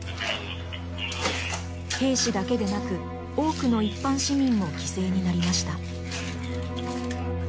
兵士だけでなく多くの一般市民も犠牲になりました。